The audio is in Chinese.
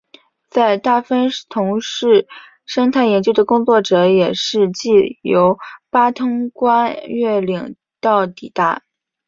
在大分从事生态研究的工作者也是藉由八通关越岭道抵达。